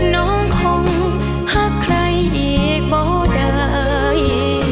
น้องคงรักใครอีกบ่ได้